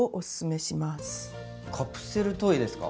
カプセルトイですか？